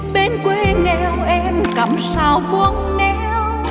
bên quê nghèo em cầm sao buông néo